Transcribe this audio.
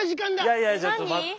いやいやちょっと待って。